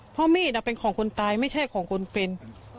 เพราะมีดเป็นของคนตายไม่ใช่ของคนเป็น